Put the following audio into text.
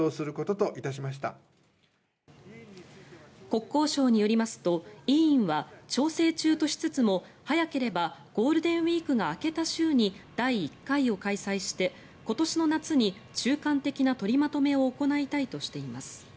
国交省によりますと委員は調整中としつつも早ければゴールデンウィークが明けた週に第１回を開催して今年の夏に中間的な取りまとめを行いたいとしています。